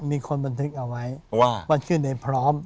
มีคนบันทึกเอาไว้ว่าชื่อในพร้อม